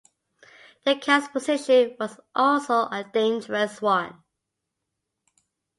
The counts' position was also a dangerous one.